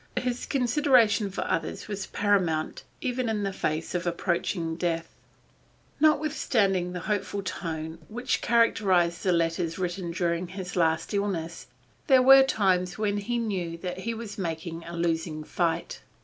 His consideration for others was paramount even in the face of approaching death. Notwithstanding the hopeful tone which characterized the letters written during his last illness, there were times when he knew that he was making a losing fight.